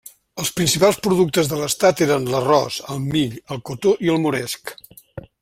Els principals productes de l'estat eren l'arròs, el mill, el cotó i el moresc.